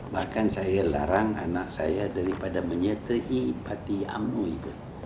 bahkan saya larang anak saya daripada menyertai parti umno itu